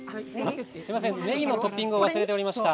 すみません、ねぎのトッピング忘れておりました。